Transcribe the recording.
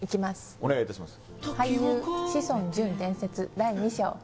お願いいたします